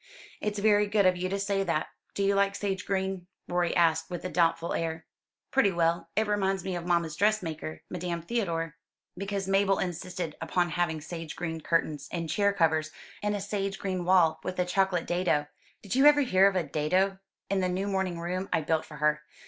"It's very good of you to say that. Do you like sage green?" Rorie asked with a doubtful air. "Pretty well. It reminds me of mamma's dress maker, Madame Theodore." "Because Mabel insisted upon having sage green curtains, and chair covers, and a sage green wall with a chocolate dado did you ever hear of a dado? in the new morning room I built for her.